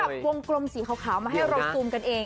ข้องกับกงกลมสีขาวให้เราซุมกันเอง